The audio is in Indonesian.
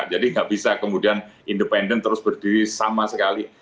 jadi tidak bisa kemudian independen terus berdiri sama sekali